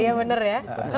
iya bener ya